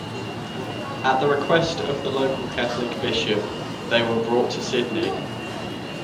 At the request of the local Catholic bishop, they were brought to Sydney.